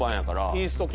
イースト菌。